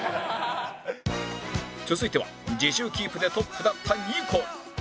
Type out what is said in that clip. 続いては自重キープでトップだったニコル